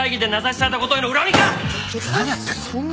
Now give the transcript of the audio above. ちょっと何やってんの。